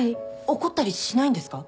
怒ったりしないんですか？